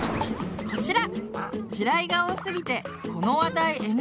こちら！